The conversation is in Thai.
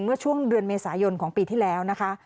เมื่อช่วงเดือนเมษายนของปีที่แล้วนะคะ